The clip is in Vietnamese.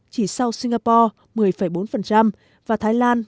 chỉ sau singapore và thái lan